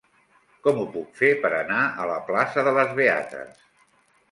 Com ho puc fer per anar a la plaça de les Beates?